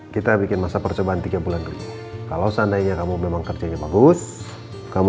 kita bikin masa percobaan tiga bulan dulu kalau seandainya kamu memang kerjanya bagus kamu